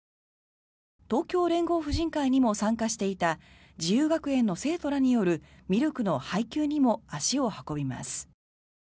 東京連合婦人会にも参加していた自由学園の生徒らによるミルクの配給にも足を運びます。